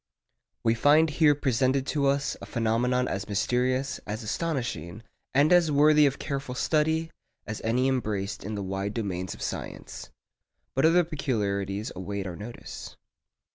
We find here presented to us a phenomenon as mysterious, as astonishing, and as worthy of careful study as any embraced in the wide domains of science. But other peculiarities await our notice.